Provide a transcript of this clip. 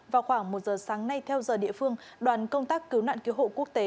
vào khoảng một giờ sáng nay theo giờ địa phương đoàn công tác cứu nạn cứu hộ quốc tế